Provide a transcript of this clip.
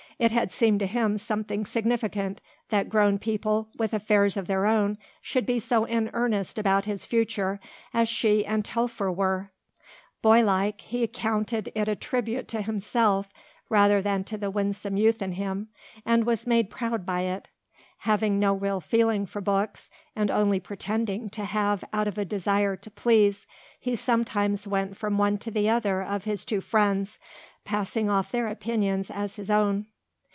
It had seemed to him something significant that grown people with affairs of their own should be so in earnest about his future as she and Telfer were. Boylike, he counted it a tribute to himself rather than to the winsome youth in him, and was made proud by it. Having no real feeling for books, and only pretending to have out of a desire to please, he sometimes went from one to the other of his two friends, passing off their opinions as his own.